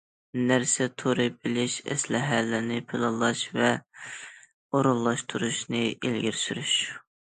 نەرسە تورى بىلىش ئەسلىھەلىرىنى پىلانلاش ۋە ئورۇنلاشتۇرۇشنى ئىلگىرى سۈرۈش.